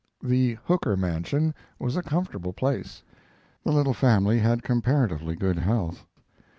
The Hooker mansion was a comfortable place. The little family had comparatively good health.